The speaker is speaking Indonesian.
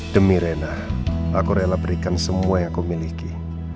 demi rena aku rela berikan semua yang aku miliki